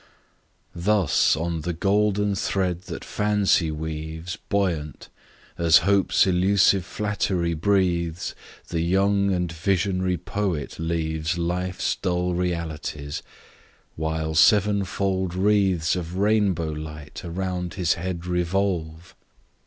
Thus on the golden thread that Fancy weaves Buoyant, as Hope's illusive flattery breathes, The young and visionary poet leaves Life's dull realities, while sevenfold wreaths Of rainbow light around his head revolve.